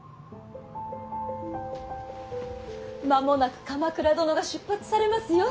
間もなく鎌倉殿が出発されますよ。